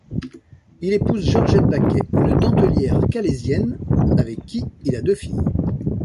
Il épouse Georgette Bacquet, une dentellière calaisienne, avec qui il a deux filles.